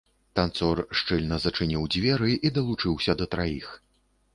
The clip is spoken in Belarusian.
Танцор шчыльна зачыніў дзверы і далучыўся да траіх.